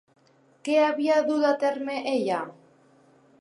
Què havia dut a terme ella?